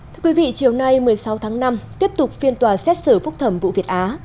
thưa quý vị chiều nay một mươi sáu tháng năm tiếp tục phiên tòa xét xử phúc thẩm vụ việt á